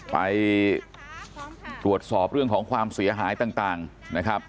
ไปตรวจสอบเรื่องของความเสียหายต่างนะครับ